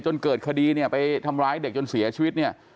จนเกิดคดีเนี่ยไปทำร้ายเด็กจนเสียชีวิตเนี่ย